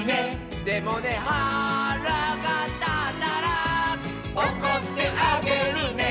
「でもねはらがたったら」「おこってあげるね」